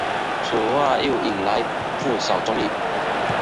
此话又引来不少争议。